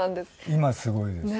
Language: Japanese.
今すごいですね。